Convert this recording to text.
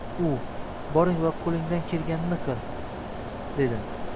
U: "Boring va qo'lingdan kelganini qil", dedi